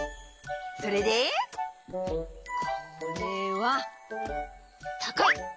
それでこれはたかい！